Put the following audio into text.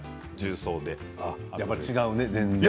やっぱり違うね全然。